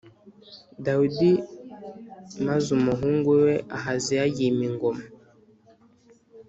Dawidi maze umuhungu we ahaziya yima ingoma